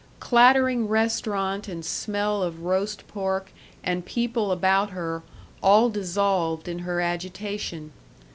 Clattering restaurant and smell of roast pork and people about her all dissolved in her agitation.